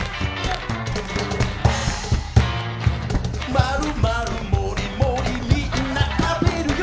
まるまるもりもりみんな食べるよ。